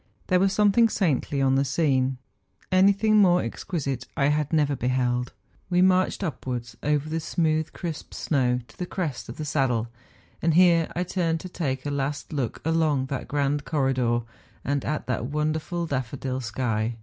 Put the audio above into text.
There was something saintly on the scene. Anything more exquisite I had never beheld. We marched upwards over the smooth crisp snow to the crest of the saddle, and here I turned to take a last look along that grand corridor, and at that wonderful ^ daffodil sky.